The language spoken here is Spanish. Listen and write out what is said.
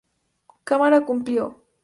Cámara cumplió.